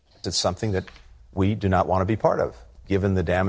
ini adalah sesuatu yang tidak kita inginkan menjadi bagian dari